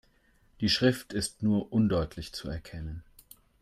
Die Schrift ist nur undeutlich zu erkennen.